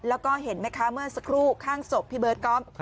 แล้วก็เห็นไหมคะเมื่อสักครู่ข้างศพพี่เบิร์ตก๊อฟ